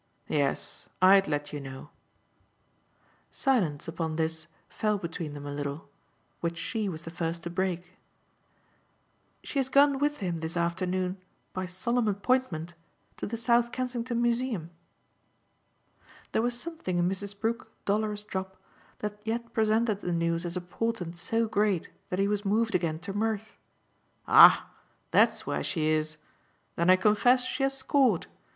"Yes, I'd let you know." Silence, upon this, fell between them a little; which she was the first to break. "She has gone with him this afternoon by solemn appointment to the South Kensington Museum." There was something in Mrs. Brook's dolorous drop that yet presented the news as a portent so great that he was moved again to mirth. "Ah that's where she is? Then I confess she has scored.